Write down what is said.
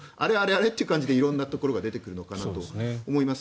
あれという感じで色んなことが出てくるのかなと思います。